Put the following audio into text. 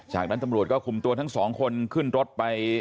จากนั้นตำรวจก็คุมตัวทั้งสองคนขึ้นรถไป